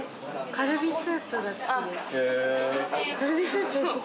カルビスープが好きです。